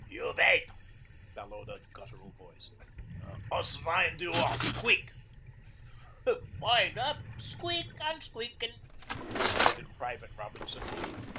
'You vait,' bellowed a guttural voice. 'Us vind you op quick!' 'Vind op squeak, an' squeakin',' retorted Private Robinson.